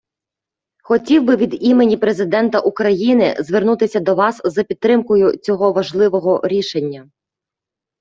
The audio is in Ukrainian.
Хотів би від імені Президента України звернутися до вас за підтримкою цього важливого рішення.